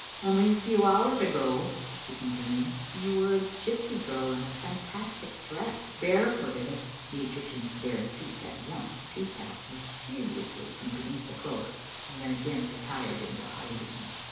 "Only a few hours ago," he continued, "you were a gypsy girl in a fantastic dress, barefooted " The Egyptian's bare foot at once peeped out mis chievously from beneath the cloak, then again retired into hiding.